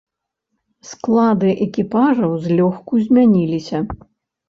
Склады экіпажаў злёгку змяніліся.